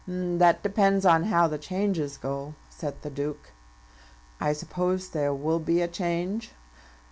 "That depends on how the changes go," said the Duke. "I suppose there will be a change?"